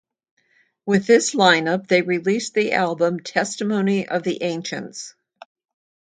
With this lineup, they released the album "Testimony of the Ancients".